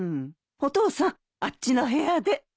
お父さんあっちの部屋で。